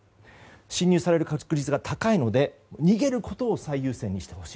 侵入される確率が高いので逃げることを最優先にしてほしい。